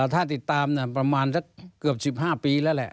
ถ้าติดตามประมาณสักเกือบ๑๕ปีแล้วแหละ